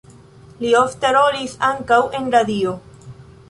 Li ofte rolis ankaŭ en radio.